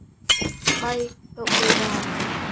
Bay, đậu bờ rào